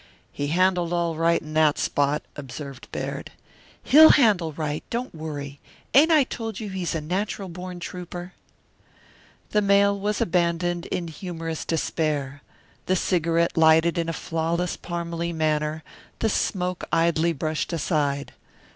"He handled all right in that spot," observed Baird. "He'll handle right don't worry. Ain't I told you he's a natural born trouper?" The mail was abandoned in humorous despair. The cigarette lighted in a flawless Parmalee manner, the smoke idly brushed aside.